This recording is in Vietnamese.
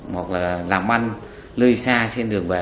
hoặc là làm manh lơi xa trên đường về